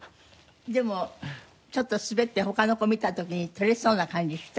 でもちょっと滑って他の子見た時に獲れそうな感じした？